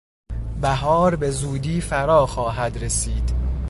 بهار بزودی فرا خواهد رسید.